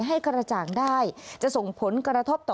ให้กระจ่างได้จะส่งผลกระทบต่อ